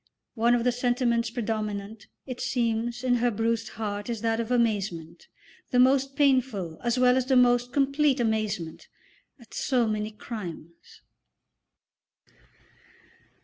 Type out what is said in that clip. One of the sentiments predominant, it seems, in her bruised heart is that of amazement, the most painful as well as the most complete amazement, at so many crimes.